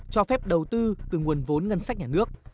cho phép đầu tư từ nguồn vốn ngân sách nhà nước